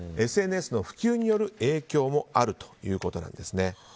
ＳＮＳの普及による影響もあるということなんですね。